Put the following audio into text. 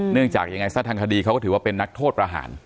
จากยังไงซะทางคดีเขาก็ถือว่าเป็นนักโทษประหาร